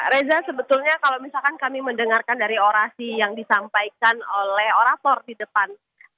reza sebetulnya kalau misalkan kami mendengarkan dari orasi yang disampaikan oleh orator di depan